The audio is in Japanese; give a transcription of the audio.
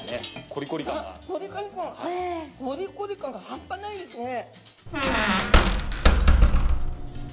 コリコリ感がはんぱないですね。